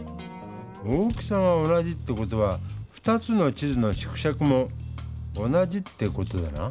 大きさが同じって事は２つの地図の縮尺も同じって事だな。